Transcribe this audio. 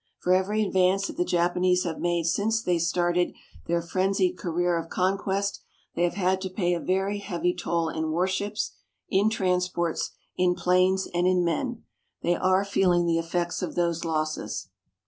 For every advance that the Japanese have made since they started their frenzied career of conquest, they have had to pay a very heavy toll in warships, in transports, in planes, and in men. They are feeling the effects of those losses.